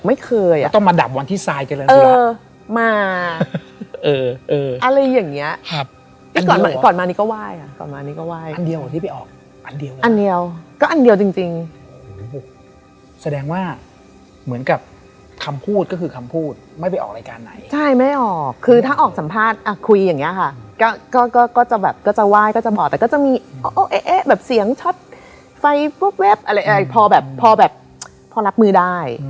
อ่าซีนเจอกับพี่เมกไม่มีอะไร